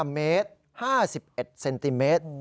เมตร๕๑เซนติเมตร